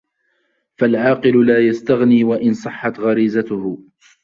فَالْعَاقِلُ لَا يَسْتَغْنِي وَإِنْ صَحَّتْ غَرِيزَتُهُ